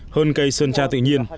hơn cây sơn cha tự nhiên